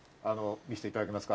見させていただけますか？